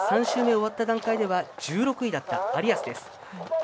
３種目終わった段階では１６位だった有安。